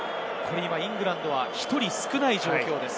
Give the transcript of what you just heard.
イングランドは１人少ない状況です。